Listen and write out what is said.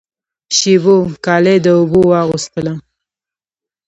شېبو کالی د اوبو واغوستله